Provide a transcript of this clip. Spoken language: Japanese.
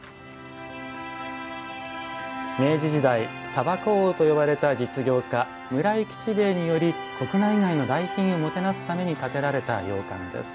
明治時代、煙草王と呼ばれた実業家村井吉兵衛により国内外の来賓をもてなすために建てられた洋館です。